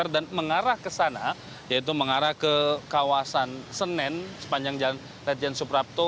dan mengarah ke sana yaitu mengarah ke kawasan senen sepanjang jalan ledjen suprapto